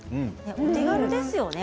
お手軽ですよね。